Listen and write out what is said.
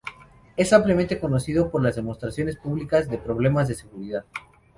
Es ampliamente conocido por las demostraciones públicas de problemas de seguridad.